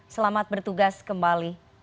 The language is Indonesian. selamat bertugas kembali